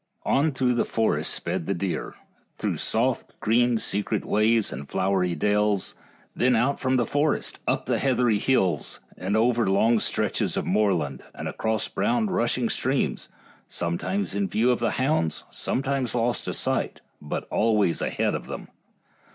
On through the forest sped the deer, through soft, green, secret ways and flowery dells, then out from the forest, up heathery hills, and over long stretches of moorland, and across brown rushing streams, sometimes in view of the hounds, sometimes lost to sight, but always ahead of them.